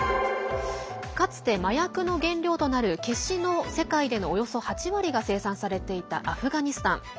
かつて麻薬の原料となるケシの世界でのおよそ８割が生産されていたアフガニスタン。